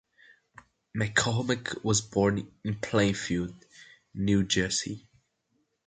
McCormack was born in Plainfield, New Jersey.